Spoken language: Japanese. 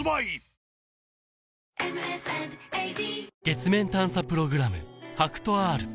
月面探査プログラム